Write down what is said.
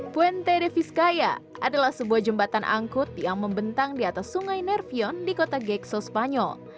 puented vizcaya adalah sebuah jembatan angkut yang membentang di atas sungai nervion di kota gexo spanyol